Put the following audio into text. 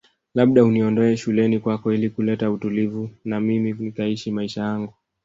Labda uniondoe shuleni kwako ili kuleta utulivu na mimi nikaishi maisha yangu